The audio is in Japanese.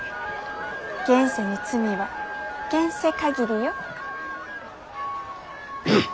現世の罪は現世限りよ。